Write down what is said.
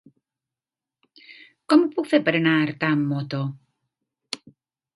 Com ho puc fer per anar a Artà amb moto?